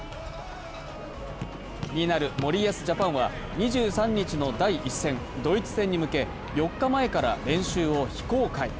気になる森保ジャパンは２３日の第１戦、ドイツ戦に向け４日前から練習を非公開。